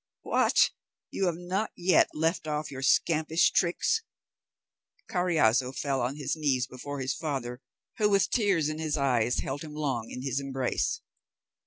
What, you have not yet left off your scampish tricks?" Carriazo fell on his knees before his father, who, with tears in his eyes, held him long in his embrace.